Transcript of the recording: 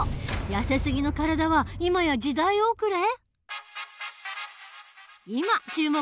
やせすぎの体は今や時代遅れ！？